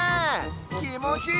きもちいい！